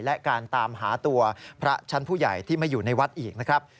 และการตามหาตัวพระชั้นผู้ใหญ่ที่ไม่อยู่ในวัดอีกนะครับ